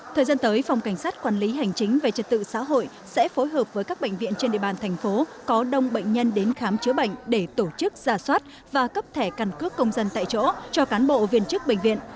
thời gian tới phòng cảnh sát quản lý hành chính về trật tự xã hội sẽ phối hợp với các bệnh viện trên địa bàn thành phố có đông bệnh nhân đến khám chữa bệnh để tổ chức giả soát và cấp thẻ căn cước công dân tại chỗ cho cán bộ viên chức bệnh viện